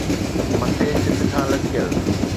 مٿي ڇت کان لٽڪيل